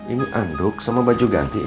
ini anduk sama baju ganti ya